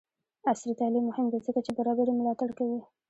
عصري تعلیم مهم دی ځکه چې برابري ملاتړ کوي.